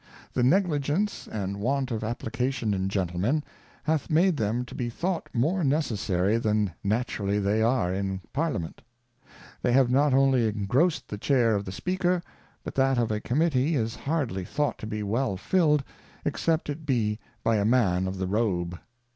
The Negligence, and want of Application in Gentlemen, hath made them to be thought more necessary than naturally they are in Parliament. They have not only ingrossed the Chair of the Speaker, but that of a Committee is hardly thought to be well filled, except it be by a Man of the Robe.